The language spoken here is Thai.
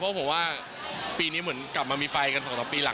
เพราะผมว่าปีนี้เหมือนกลับมามีไฟกัน๒๓ปีหลัง